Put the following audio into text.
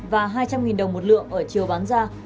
và hai trăm linh đồng một lượng ở chiều bán ra